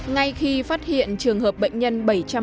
ngay khi phát hiện trường hợp bệnh nhân bảy trăm một mươi bốn